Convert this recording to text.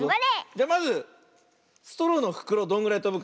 じゃまずストローのふくろどんぐらいとぶか。